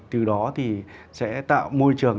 từ đó thì sẽ tạo môi trường